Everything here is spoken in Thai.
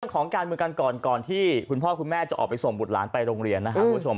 ของการเมืองกันก่อนก่อนที่คุณพ่อคุณแม่จะออกไปส่งบุตรหลานไปโรงเรียนนะครับคุณผู้ชม